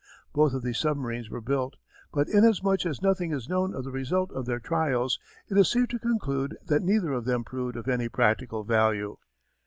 Both of these submarines were built, but inasmuch as nothing is known of the result of their trials, it is safe to conclude that neither of them proved of any practical value.